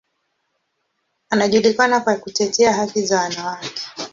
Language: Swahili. Anajulikana kwa kutetea haki za wanawake.